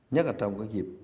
nhất là trong các dịp